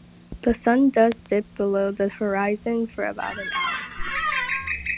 The sun does dip below the horizon for about an hour.